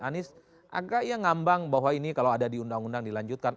anies agak ya ngambang bahwa ini kalau ada di undang undang dilanjutkan